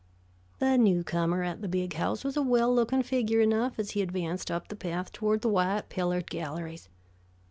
The new comer at the Big House was a well looking figure enough as he advanced up the path toward the white pillared galleries.